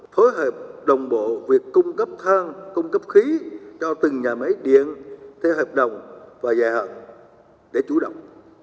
phối hợp đồng bộ việc cung cấp thang cung cấp khí cho từng nhà máy điện theo hợp đồng và dài hạn để chủ động